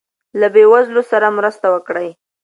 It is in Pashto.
له بې وزلو سره مرسته وکړئ.